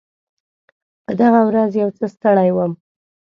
په دغه ورځ یو څه ستړی وم.